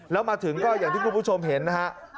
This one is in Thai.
แล้วมาถึงก็อย่างที่คุณผู้ชมเห็นนะฮะ